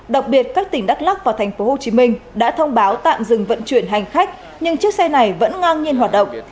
đặc biệt các tỉnh đắk lắc và tp hcm đã thông báo tạm dừng vận chuyển hành khách nhưng chiếc xe này vẫn ngang nhiên hoạt động